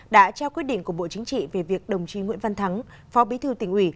đã trao quyết định của bộ chính trị về việc đồng chí nguyễn văn thắng phó bí thư tỉnh ủy